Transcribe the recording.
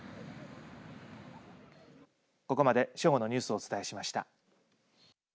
ここまで正午のニュースをお伝えしました。